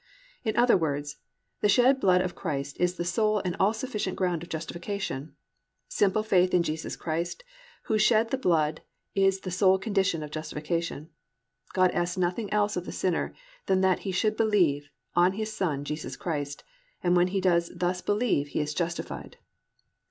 In other words, the shed blood of Christ is the sole and all sufficient ground of justification: simple faith in Jesus Christ who shed the blood is the sole condition of justification. _God asks nothing else of the sinner than that he should believe on His Son, Jesus Christ, and when he does thus believe he is justified.